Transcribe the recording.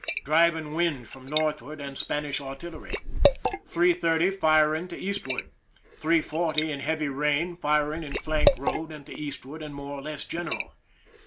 Driving wind from, northward, and Spanish artillery. 3 : 30, firing to eastward. 3 : 40, in heavy rain, firing in flank road and to eastward and more or less general.